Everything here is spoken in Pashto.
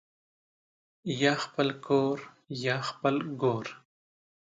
یا خپل کورریا خپل ګور